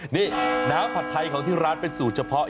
นี่น้ำผัดไทยของที่ร้านเป็นสูตรเฉพาะ